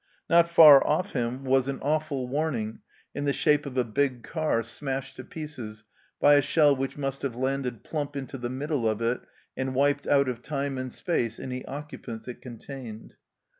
Not far off him was an 72 THE CELLAR HOUSE OF PERVYSE " awful warning " in the shape of a big car smashed to pieces by a shell which must have landed plump into the middle of it and wiped out of time and space any occupants it contained.